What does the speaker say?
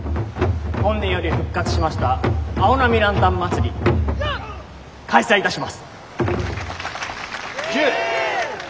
本年より復活しました青波ランタン祭り開催いたします。